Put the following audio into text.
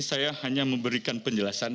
saya hanya memberikan penjelasan